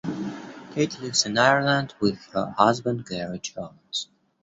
Kate lives in Ireland with her husband Garry Jones.